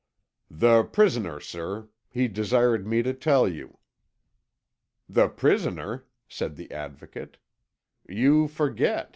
"The prisoner, sir. He desired me to tell you." "The prisoner!" said the Advocate. "You forget.